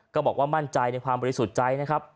ก็บอกว่ามั่นใจในความบริสุทธิ์ใจนะครับ